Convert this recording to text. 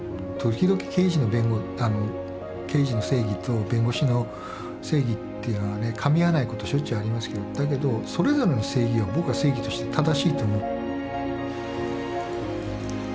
時々刑事の正義と弁護士の正義っていうのはねかみ合わないことしょっちゅうありますけどだけどそれぞれの正義は僕は正義として正しいと思う。